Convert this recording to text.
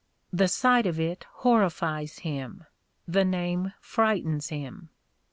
The sight of it horrifies him, the name frightens him.